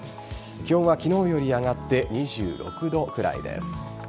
気温は昨日より上がって２６度くらいです。